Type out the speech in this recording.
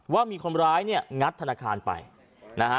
ว่ามีคนร้ายเนี่ยงัดธนาคารไปนะฮะ